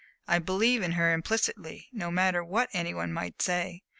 I believe in her implicitly, no matter what any one may say.